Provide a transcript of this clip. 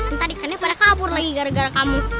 entah ikannya pada kabur lagi gara gara kamu